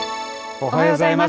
おはようございます。